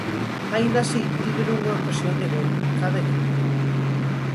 Aínda así, tiveron unha ocasión de gol cada equipo.